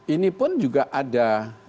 ini pun juga ada